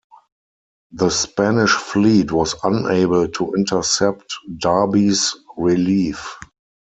The Spanish fleet was unable to intercept Darby's relief.